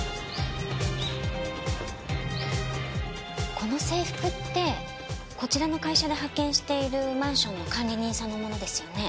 この制服ってこちらの会社で派遣しているマンションの管理人さんのものですよね？